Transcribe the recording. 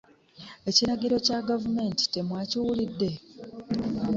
Ekiragiro kya gavumenti temwakiwulidde?